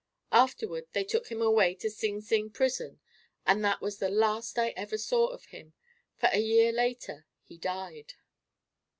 Afterward they took him away to Sing Sing prison, and that was the last I ever saw of him, for a year later he died.